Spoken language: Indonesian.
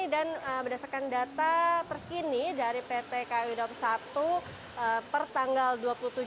dan berdasarkan data terkini dari pt ku dua puluh satu per tanggal dua puluh tujuh mei yaitu jumlah penumpang yang berangkat pada hari ini